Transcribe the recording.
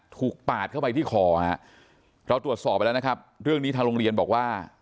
ปาดเข้าไปที่คอฮะเราตรวจสอบไปแล้วนะครับเรื่องนี้ทางโรงเรียนบอกว่า